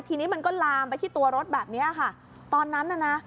ทีนี้มันก็ลามไปที่ตัวรถแบบเนี้ยค่ะตอนนั้นน่ะนะ